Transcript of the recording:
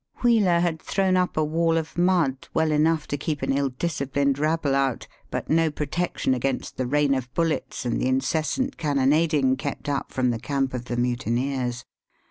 Wheeler had thrown up a wall of mud, well enough to keep an ill disciplined rabble out, but no protection against the rain of bullets and the incessant cannonading kept up from the camp of the mutineers.